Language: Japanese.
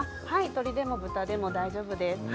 鶏でも豚でも大丈夫です。